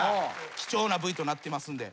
貴重なＶとなってますんで。